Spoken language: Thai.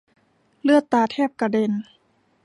เลือดตาแทบกระเด็น